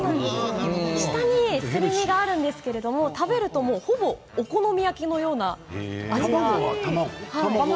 下にすり身があるんですけれど食べるとほぼお好み焼きのような味なんです。